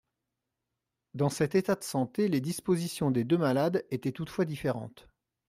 Dans cet état de santé, les dispositions des deux malades étaient toutefois différentes.